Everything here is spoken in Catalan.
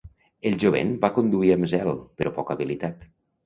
El jovent va conduir amb zel, però poca habilitat.